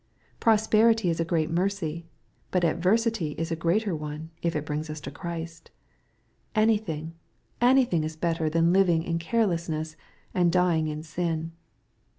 Prosperity is a great mercy, but adversity is a greater one, if it brings us to Christ. Anything, anything is better than living in carelessness, and dying in sin.